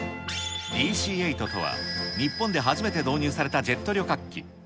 ＤＣー８とは、日本で初めて導入されたジェット旅客機。